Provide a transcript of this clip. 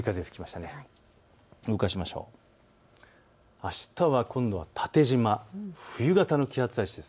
あしたは今度は縦じま、冬型の気圧配置です。